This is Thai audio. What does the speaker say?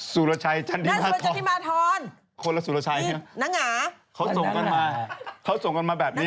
สุรชัยชันดีมาธรณ์นี่น้างห๊าเขาส่งกันมาแบบนี้